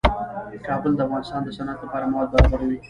کابل د افغانستان د صنعت لپاره مواد برابروي.